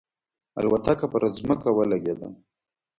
الوتکه پر ځمکه ولګېده.